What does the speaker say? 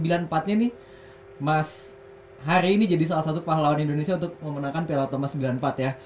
dan sembilan puluh empat nya nih mas hari ini jadi salah satu pahlawan indonesia untuk memenangkan piala thomas sembilan puluh empat ya